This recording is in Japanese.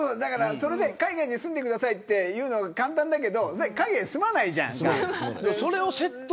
海外に住んでくださいって言うの簡単だけど海外に住まないじゃんか。